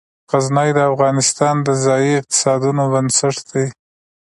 غزني د افغانستان د ځایي اقتصادونو بنسټ دی.